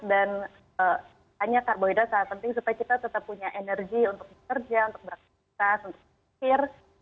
hanya karbohidrat sangat penting supaya kita tetap punya energi untuk bekerja untuk beraktivitas untuk berpikir